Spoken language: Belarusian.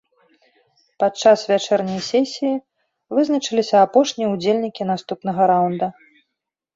Падчас вячэрняй сесіі вызначаліся апошнія ўдзельнікі наступнага раўнда.